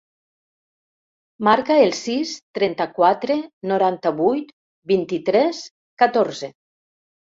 Marca el sis, trenta-quatre, noranta-vuit, vint-i-tres, catorze.